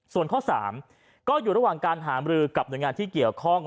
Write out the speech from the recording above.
ส่วนข้อ๓ก็อยู่ระหว่างการหามรือกับหน่วยงานที่เกี่ยวข้อง